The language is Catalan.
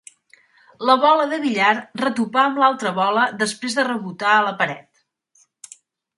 La bola de billar retopà amb l'altra bola després de rebotar a la paret.